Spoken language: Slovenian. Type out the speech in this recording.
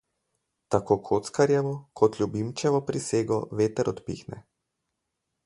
Tako kockarjevo kot ljubimčevo prisego veter odpihne.